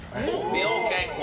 美容・健康。